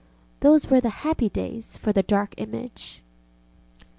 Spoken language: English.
Those were happy days for the Dark Image.